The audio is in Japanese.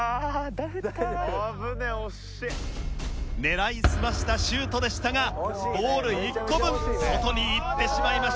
狙い澄ましたシュートでしたがボール１個分外に行ってしまいました。